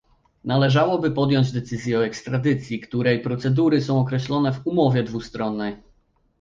Należałoby podjąć decyzję o ekstradycji, której procedury są określone w umowie dwustronnej